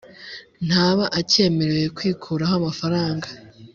ntaba acyemerewe kwikuraho amafaranga